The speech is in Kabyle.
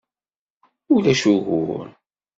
Ulac ugur!